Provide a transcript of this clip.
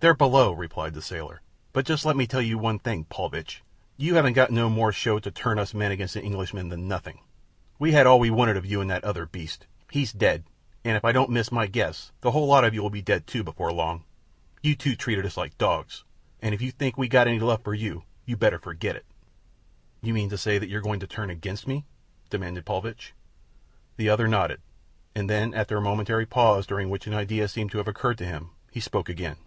"They're below," replied the sailor; "but just let me tell you something, Paulvitch. You haven't got no more show to turn us men against the Englishman than nothing. We had all we wanted of you and that other beast. He's dead, an' if I don't miss my guess a whole lot you'll be dead too before long. You two treated us like dogs, and if you think we got any love for you you better forget it." "You mean to say that you're going to turn against me?" demanded Paulvitch. The other nodded, and then after a momentary pause, during which an idea seemed to have occurred to him, he spoke again.